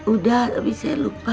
udah tapi saya lupa